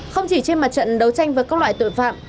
không chỉ trên mặt trận đấu tranh với các loại tội phạm